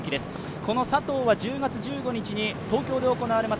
この佐藤は１０月１５日に東京で行われます